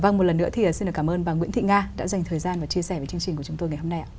vâng một lần nữa thì xin cảm ơn bà nguyễn thị nga đã dành thời gian và chia sẻ với chương trình của chúng tôi ngày hôm nay ạ